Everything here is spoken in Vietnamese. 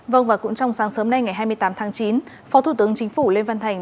vâng và cũng trong sáng sớm nay ngày hai mươi tám tháng chín phó thủ tướng chính phủ lê văn thành